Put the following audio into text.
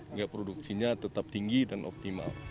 enggak produksinya tetap tinggi dan optimal